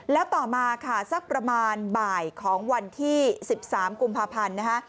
แล้วต่อมาค่ะสักประมาณบ่ายของวันที่๑๓กุมภาพันธ์นะคะ